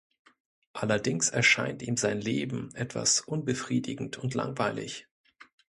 Allerdings erscheint ihm sein Leben etwas unbefriedigend und langweilig.